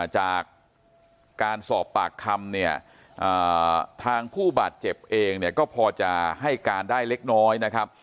จากการสอบปากคำเนี่ยทางผู้บาดเจ็บเองเนี่ยก็พอจะให้การได้เล็กน้อยนะครับ